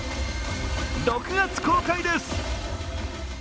６月公開です。